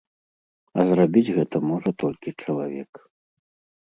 А зрабіць гэта можа толькі чалавек.